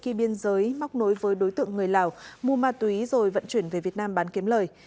khi biên giới móc nối với đối tượng người lào mua ma túy rồi vận chuyển về việt nam bán kiếm lời